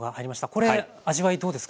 これ味わいどうですか？